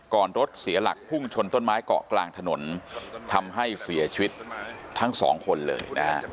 รถเสียหลักพุ่งชนต้นไม้เกาะกลางถนนทำให้เสียชีวิตทั้งสองคนเลยนะฮะ